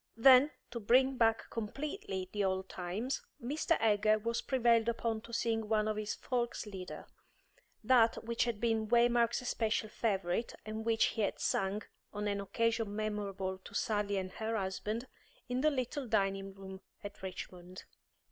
Then, to bring back completely the old times, Mr. Egger was prevailed upon to sing one of his Volkslieder, that which had been Waymark's especial favourite, and which he had sung on an occasion memorable to Sally and her husband in the little dining room at Richmond.